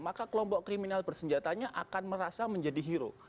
maka kelompok kriminal bersenjatanya akan merasa menjadi hero